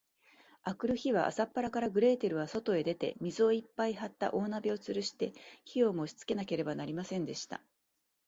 あくる日は、朝っぱらから、グレーテルはそとへ出て、水をいっぱいはった大鍋をつるして、火をもしつけなければなりませんでした。